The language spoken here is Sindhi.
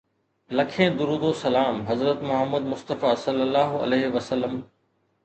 لکين درود و سلام حضرت محمد مصطفيٰ صلي الله عليه وسلم.